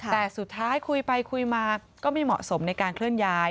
แต่สุดท้ายคุยไปคุยมาก็ไม่เหมาะสมในการเคลื่อนย้าย